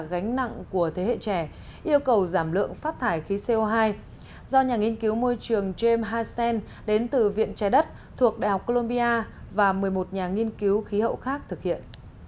gánh nặng của thế hệ trẻ yêu cầu giảm lượng phát thải khí co hai do nhà nghiên cứu môi trường james hand đến từ viện trái đất thuộc đại học colombia và một mươi một nhà nghiên cứu khí hậu khác thực hiện